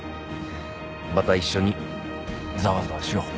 また一緒にざわざわしよう。